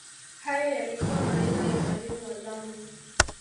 hayo yalikuwa maneno ya mwalimu wa zamu